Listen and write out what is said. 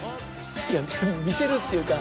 いや見せるっていうか。